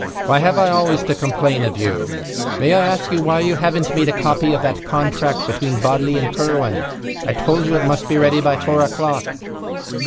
Why have I always to complain of you? May I ask you why you haven't made a copy of that contract between Bodley and Kirwan? I told you it must be ready by four o'clock."